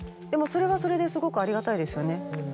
でもそれはそれですごくありがたいですよね。